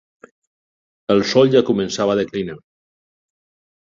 El sol ja començava a declinar.